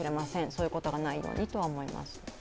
そういうことがないようにとは思います。